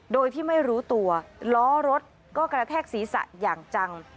โดยที่ไม่รู้ตัวล้อรถก็กระแทกศีรษะอย่างจัง